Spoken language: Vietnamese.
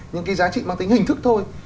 những cái giá trị bằng tính hình thức thôi